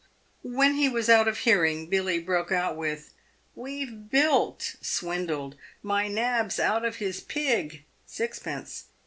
"When he was out of hearing, Billy broke out with " We've 'bilked' (swindled) my nabs out of his 'pig' (sixpence).